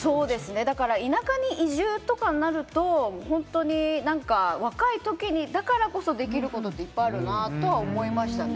田舎に移住とかになると若いときだからこそできることって、いっぱいあるなとは思いましたね。